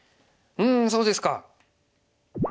うんそうですか。